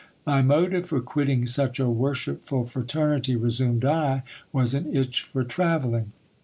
My motive for quitting such a worshipful fraternity, resumed I, was an itch for travelling.